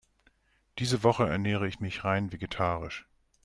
Diese Woche ernähre ich mich rein vegetarisch.